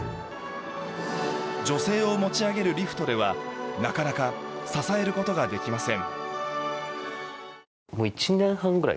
女性を持ち上げるリフトではなかなか支えることができません。